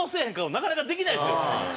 なかなかできないですよ。